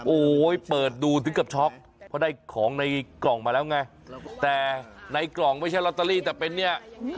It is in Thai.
โอ้โหเปิดดูถึงกับช็อกเพราะได้ของในกล่องมาแล้วไงแต่ในกล่องไม่ใช่ลอตเตอรี่แต่เป็นเนี่ย